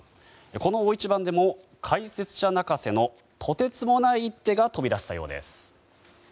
この大一番でも解説者泣かせのとてつもない一手が飛び出したようです。